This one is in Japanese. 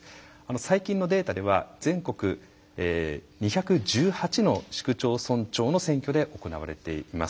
最近のデータでは全国２１８の市区町村長の選挙で行われています。